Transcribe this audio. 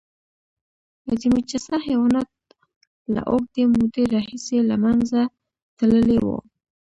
عظیم الجثه حیوانات له اوږدې مودې راهیسې له منځه تللي وو.